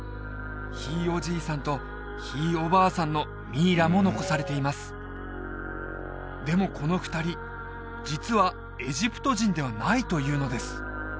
ひいおじいさんとひいおばあさんのミイラも残されていますでもこの２人実はエジプト人ではないというのです